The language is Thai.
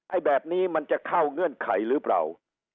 แบบนี้มันจะเข้าเงื่อนไขหรือเปล่า